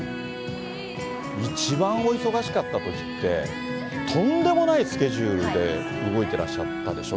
一番お忙しかったときって、とんでもないスケジュールで動いてらっしゃったでしょ？